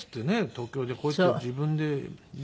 「東京でこうやって自分で家構えて」。